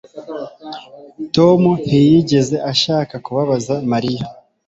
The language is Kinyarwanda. Tom ntiyigeze ashaka kubabaza Mariya